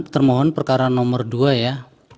termohon perkara nomor dua ya